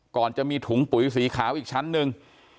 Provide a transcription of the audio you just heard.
ก่อนจะมีถุงปุ๋ยสีขาวอีกชั้นหนึ่ง